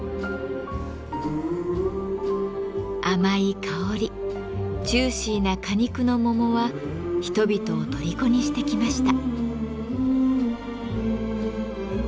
甘い香りジューシーな果肉の桃は人々をとりこにしてきました。